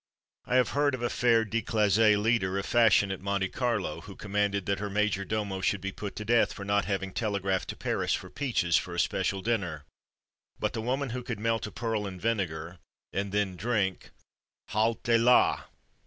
I have heard of a fair declassée leader of fashion at Monte Carlo, who commanded that her major domo should be put to death for not having telegraphed to Paris for peaches, for a special dinner; but the woman who could melt a pearl in vinegar, and then drink _halte la!